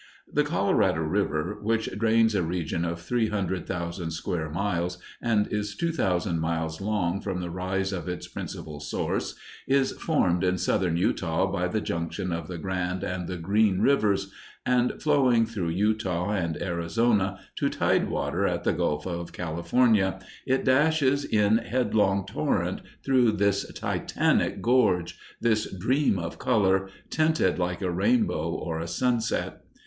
The Colorado River, which drains a region of three hundred thousand square miles and is two thousand miles long from the rise of its principal source, is formed in southern Utah by the junction of the Grand and the Green Rivers, and, flowing through Utah and Arizona to tide water at the Gulf of California, it dashes in headlong torrent through this titanic gorge this dream of color, tinted like a rainbow or a sunset.